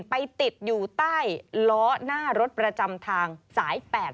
ไปติดอยู่ใต้ล้อหน้ารถประจำทางสาย๘๘